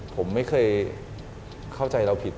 ผมไม่เคยเข้าใจเราผิด